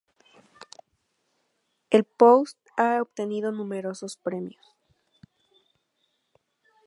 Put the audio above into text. El "Post" ha obtenido numerosos premios.